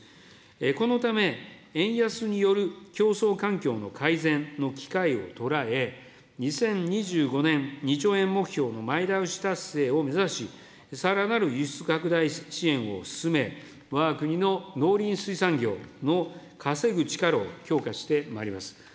このため、円安による競争環境の改善の機会を捉え、２０２５年、２兆円目標の前倒し達成を目指し、さらなる輸出拡大支援を進め、わが国の農林水産業の稼ぐ力を強化してまいります。